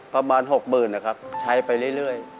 ประมาณ๖๐๐๐นะครับใช้ไปเรื่อย